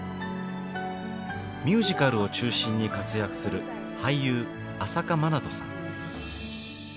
ミュージカルを中心に活躍する俳優朝夏まなとさん。